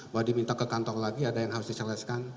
bahwa diminta ke kantor lagi ada yang harus diselesaikan